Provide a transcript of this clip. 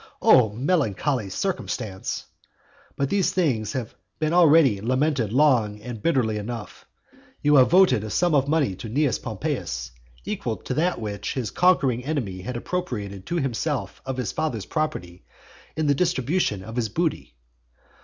O melancholy circumstance! But these things have been already lamented long and bitterly enough. You have voted a sum of money to Cnaeus Pompeius, equal to that which his conquering enemy had appropriated to himself of his father's property in the distribution of his booty.